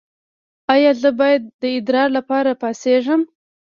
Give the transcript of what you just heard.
ایا زه باید د ادرار لپاره پاڅیږم؟